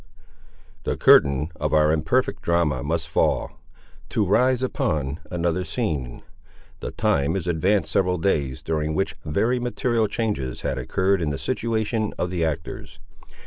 The curtain of our imperfect drama must fall, to rise upon another scene. The time is advanced several days, during which very material changes had occurred in the situation of the actors.